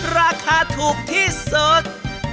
ราคาถูกที่สุด